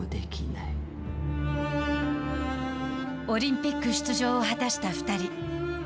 オリンピック出場を果たした２人。